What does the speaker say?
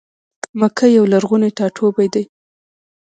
مکه یو لرغونی ټا ټوبی دی.